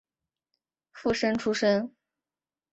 附生出身。